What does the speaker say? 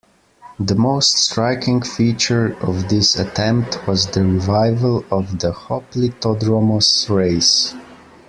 The most striking feature of this attempt was the revival of the Hoplitodromos race.